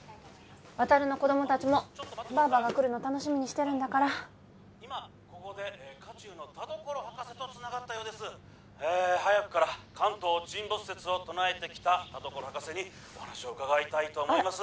亘の子供達もバァバが来るの楽しみにしてるんだから今ここで渦中の田所博士とつながったようですえっ早くから関東沈没説を唱えてきた田所博士にお話を伺いたいと思います